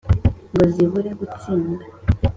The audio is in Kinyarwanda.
ngo zibure gutsinda,